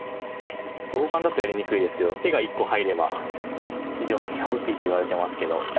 ちょっと大盤だとやりにくいですけど手が１個入れば非常に大きいといわれてますけど。